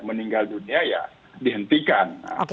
meninggal dunia ya dihentikan